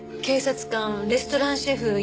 警察官レストランシェフ